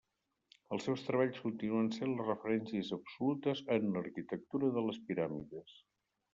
Els seus treballs continuen sent les referències absolutes en l'arquitectura de les piràmides.